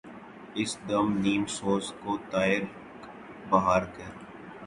اس دم نیم سوز کو طائرک بہار کر